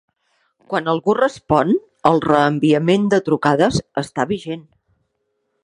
Quan algú respon, el reenviament de trucades està vigent.